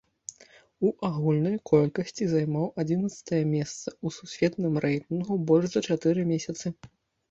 У агульнай колькасці займаў адзінаццатае месца ў сусветным рэйтынгу больш за чатыры месяцы.